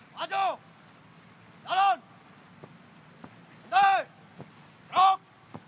beri tanggung jawab